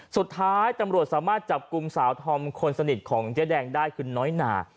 สุดท้ายตำรวจสามารถจับกลุ่มสาวธอมคนสนิทของเจ๊แดงได้คือน้อยหนา